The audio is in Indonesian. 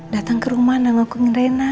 datang ke rumah nangokin rena